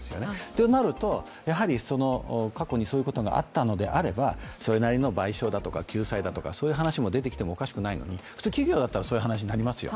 となると、過去にそういうことがあったのであればそれなりの賠償だとか救済の話が出てきてもおかしくないのに普通企業だったら、そういう話になりますよ。